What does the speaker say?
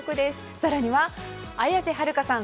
更には綾瀬はるかさん